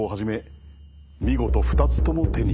見事２つとも手に入れた。